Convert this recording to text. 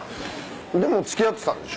でも付き合ってたんでしょ？